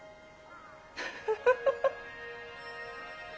フフフフ。